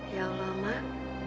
ya allah mak